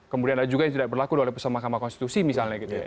kemudian ada juga yang tidak berlaku oleh pusat mahkamah konstitusi misalnya gitu ya